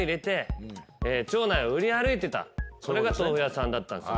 それが豆腐屋さんだったんです。